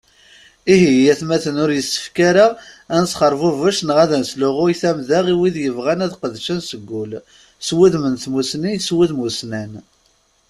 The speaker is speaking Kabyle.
Ihi ay atmaten, ur yessefk ara ad nesxerbubec neɣ ad nesluɣuy tamda i wid yebɣan ad qedcen seg ul, s wudem n tmusni, s wudem ussnan.